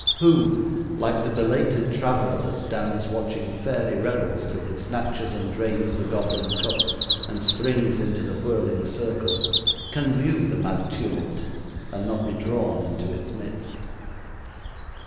Who like the belated traveler that stands watching fairy revels till he snatches and drains the goblin cup and springs into the whirling circle can view the mad tumult and not be drawn into its midst?